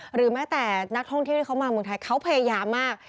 หรือแม้แต่นักท่องเที่ยวที่เขามาเมืองไทยเขาพยายามมาก